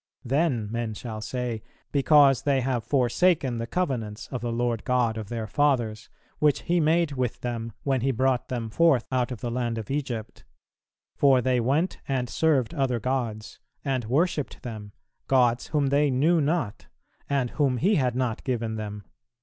Then men shall say, Because they have forsaken the covenants of the Lord God of their fathers, which He made with them when He brought them forth out of the land of Egypt; for they went and served other gods, and worshipped them, gods whom they knew not, and whom He had not given them."